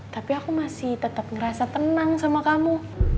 tapi aku masih tetap ngerasa tenang sama kamu